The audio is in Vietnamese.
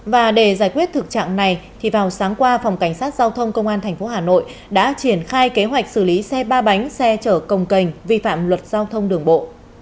và để giải quyết thực trạng này thì vào sáng qua phòng cảnh sát giao thông công an tp hà nội đã triển khai kế hoạch xử lý xe ba bánh xe chở công cành vi phạm luật giao thông đường bộ